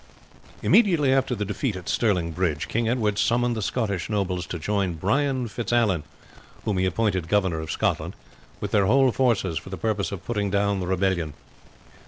Immediately after the defeat at Stirling Bridge, King Edward summoned the Scottish nobles to join Brian Fitzallan, whom he appointed governor of Scotland, with their whole forces, for the purpose of putting down the rebellion.